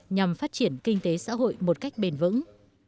nhằm phát triển kinh tế xã hội một cách bền vững